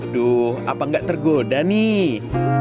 duh apa nggak tergoda nih